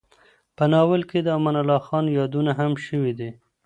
په ناول کې د امان الله خان یادونه هم شوې ده.